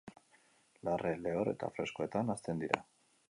Larre lehor eta freskoetan hazten dira.